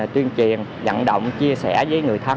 tuyên truyền nhận động chia sẻ với người thân